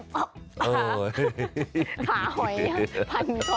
จุ๊บแล้ว